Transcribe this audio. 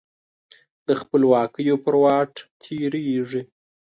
د خپلواکیو پر واټ تیریږې